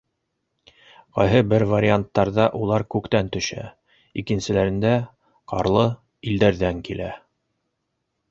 Ҡайһы бер варианттарҙа улар күктән төшә, икенселәрендә - ҡарлы илдәрҙән килә.